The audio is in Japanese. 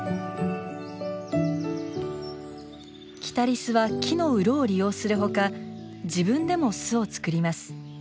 キタリスは木の洞を利用するほか自分でも巣を作ります。